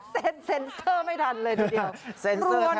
เซนเซนเซอร์บทันไม่ทันเลยดูเดี๋ยว